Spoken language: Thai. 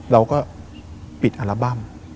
เราก็ปิดอาร์บัม